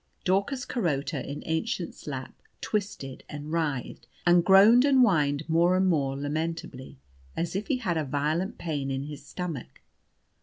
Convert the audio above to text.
Daucus Carota, in Aennschen's lap, twisted and writhed, and groaned and whined more and more lamentably, as if he had a violent pain in his stomach.